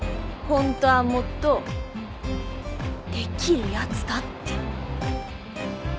ホントはもっとできるやつだって。